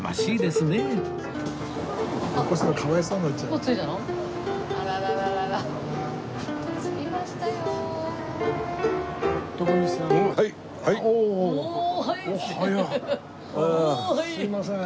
すみません。